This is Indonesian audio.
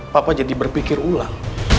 papa jadi berpikir ulang